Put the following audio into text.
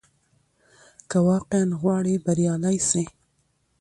که واقعاً غواړې بریالی سې،